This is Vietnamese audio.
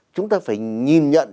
chúng ta phải nhìn nhận